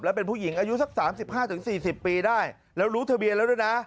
แล้วเป็นผู้หญิงอายุสัก๓๕๔๐ปีได้แล้วรู้ทะเบียนแล้วด้วยนะ